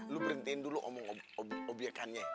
lu berhentiin dulu ngomong objekannya hah